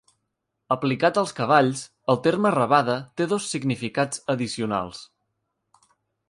Aplicat als cavalls, el terme rabada té dos significats addicionals.